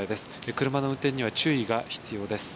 車の運転には注意が必要です。